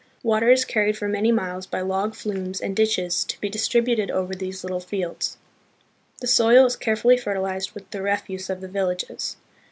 Water is carried for many miles by log flumes and ditches, to be dis tributed over these little fields. The soil is carefully fer tilized with the refuse of the villages.